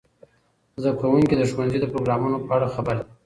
زده کوونکي د ښوونځي د پروګرامونو په اړه خبر دي.